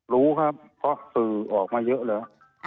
รู้ครับเพราะสื่อออกมาเยอะแล้ว